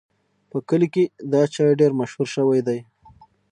په کلي کې دا چای ډېر مشهور شوی دی.